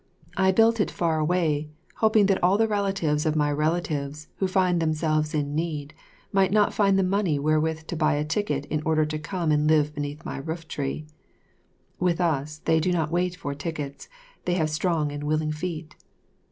I built it far away, hoping that all the relatives of my relatives who find themselves in need, might not find the money where with to buy a ticket in order to come and live beneath my rooftree." (With us, they do not wait for tickets; they have strong and willing feet.)